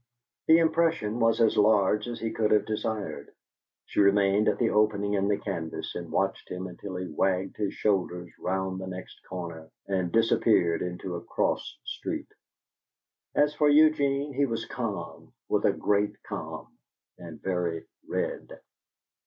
The impression was as large as he could have desired. She remained at the opening in the canvas and watched him until he wagged his shoulders round the next corner and disappeared into a cross street. As for Eugene, he was calm with a great calm, and very red.